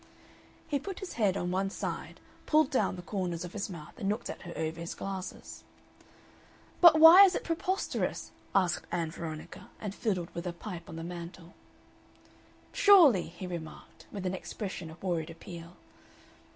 He put his head on one side, pulled down the corners of his mouth, and looked at her over his glasses. "But why is it preposterous?" asked Ann Veronica, and fiddled with a pipe on the mantel. "Surely!" he remarked, with an expression of worried appeal.